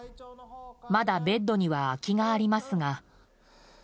まだベッドには空きがありますが。